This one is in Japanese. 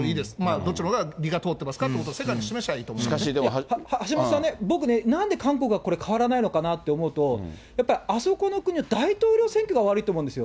どっちのほうが理が通ってますかっていうことを世界に示したらい橋下さんね、僕ね、なんで韓国は変わらないのかなと思うと、やっぱりあそこの国は大統領選挙が悪いと思うんですよ。